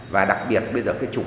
và đặc biệt bây giờ cái chủng